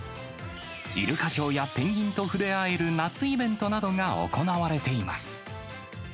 イルカショーやペンギンと触れ合える夏イベントなどが行われています。